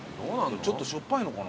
ちょっとしょっぱいのかな。